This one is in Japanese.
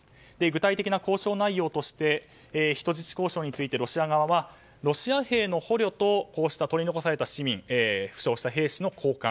具体的な交渉内容として人質交渉はロシア側は、ロシア兵の捕虜と取り残された市民負傷した兵士の交換